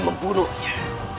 perasaanku akan puas